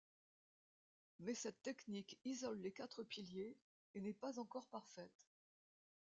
Mais cette technique isole les quatre piliers et n'est pas encore parfaite.